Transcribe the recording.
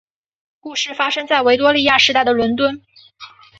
故事发生在维多利亚时代的伦敦。